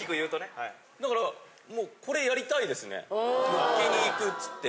のっけに行くっつって。